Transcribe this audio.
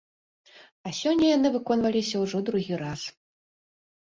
А сёння яны выконваліся ўжо другі раз!